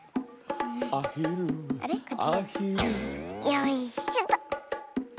よいしょと。